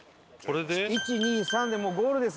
１２３でもうゴールです。